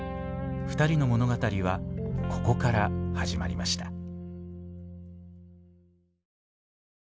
２人の物語はここから始まりました。